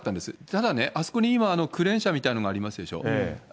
ただね、あそこに今、クレーン車みたいなのがありますでしょ？